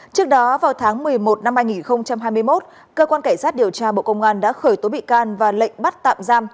trước đó vào tháng một mươi một năm hai nghìn hai mươi một cơ quan cảnh sát điều tra bộ công an đã khởi tố bị can và lệnh bắt tạm giam